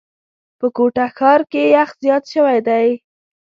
په کوټه ښار کي یخ زیات شوی دی.